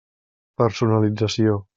Personalització.